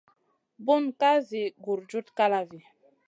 Bunu ka zi gurjuda kalavi.